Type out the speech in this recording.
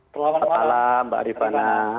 selamat malam mbak rifana